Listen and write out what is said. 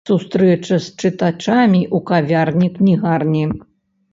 Сустрэча з чытачамі ў кавярні-кнігарні.